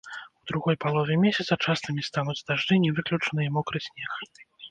У другой палове месяца частымі стануць дажджы, не выключаны і мокры снег.